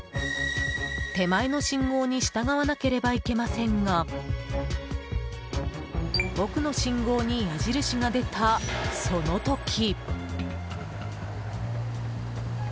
手前の信号に従わなければいけませんが奥の信号に矢印が出たその時。